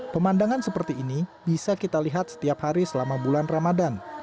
pemandangan seperti ini bisa kita lihat setiap hari selama bulan ramadan